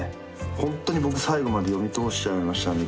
本当に僕、最後まで読み通しちゃいましたね